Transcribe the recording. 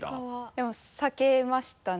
でも避けましたね。